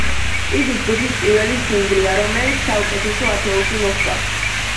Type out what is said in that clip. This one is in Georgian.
იგი ჯგუფის პირველი სინგლია, რომელიც საუკეთესო ათეულში მოხვდა.